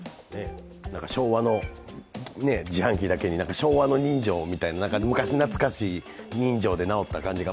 昭和の自販機だけに昭和の人情みたいな昔懐かしい人情で直った感じが。